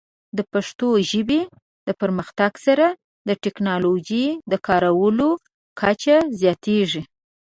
د پښتو ژبې د پرمختګ سره، د ټیکنالوجۍ د کارولو کچه زیاتېږي.